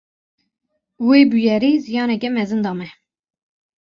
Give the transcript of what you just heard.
Wê bûyerê ziyaneke mezin da me.